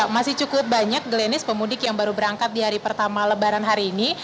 masih cukup banyak glenis pemudik yang baru berangkat di hari pertama lebaran hari ini